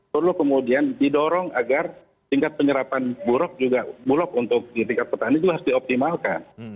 perlu kemudian didorong agar tingkat penyerapan bulog juga bulog untuk di tingkat petani juga harus dioptimalkan